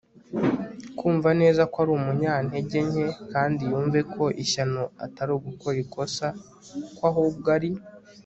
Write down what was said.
kumva neza ko ari umunyantege nke, kandi yumve ko ishyano atari ugukora ikosa ko ahubwo ari